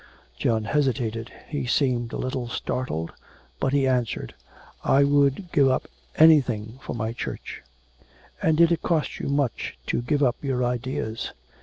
John hesitated, he seemed a little startled, but he answered, 'I would give up anything for my Church....' 'And did it cost you much to give up your ideas?'